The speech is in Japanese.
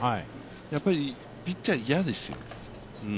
やっぱりピッチャー嫌ですよ。